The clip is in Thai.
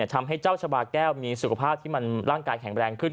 ทำให้เจ้าชาบาแก้วมีสุขภาพที่มันร่างกายแข็งแรงขึ้น